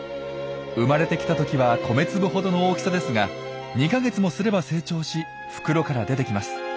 生まれてきた時は米粒ほどの大きさですが２か月もすれば成長し袋から出てきます。